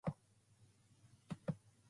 I'm so glad.